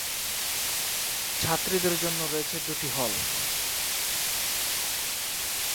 ছাত্রীদের জন্য রয়েছে দুটি হল।